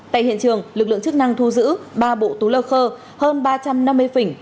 tại hiện trường lực lượng chức năng thu giữ ba bộ túi lơ khơ hơn ba trăm năm mươi phỉnh